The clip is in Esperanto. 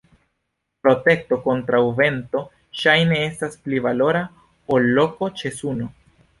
Protekto kontraŭ vento ŝajne estas pli valora ol loko ĉe suno.